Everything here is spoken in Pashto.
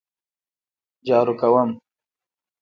جارو کوم